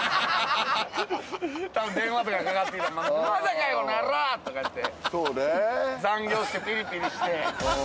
多分電話とかかかってきて「まだかいこの野郎！」とかって。残業してピリピリして。